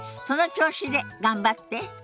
その調子で頑張って。